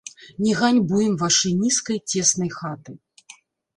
Не ганьбуем вашай нізкай, цеснай хаты.